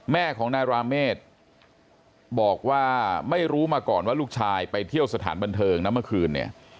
แม่ของนายราเมฆบอกว่าไม่รู้มาก่อนว่าลูกชายไปเที่ยวสถานบันเทิงนะเมื่อคืนเนี่ย